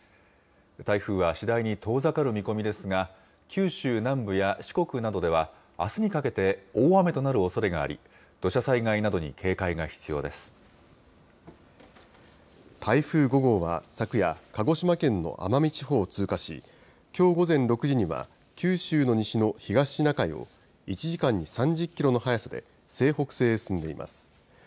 台風は次第に遠ざかる見込みですが、九州南部や四国などでは、あすにかけて大雨となるおそれがあり、土砂災害などに警戒が必要で台風５号は昨夜、鹿児島県の奄美地方を通過し、きょう午前６時には、九州の西の東シナ海を１時間に３０キロの速さで西北西へ進んでいます。